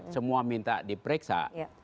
semua minta diperiksa